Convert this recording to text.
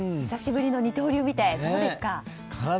久しぶりの二刀流を見ていかがですか？